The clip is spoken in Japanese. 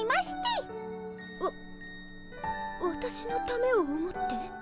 わわたしのためを思って？